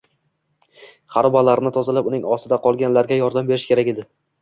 Xarobalarni tozalab, uning ostida qolganlarga yordam berish kerak edi